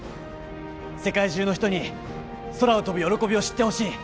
世界中の人に空を飛ぶ喜びを知ってほしい。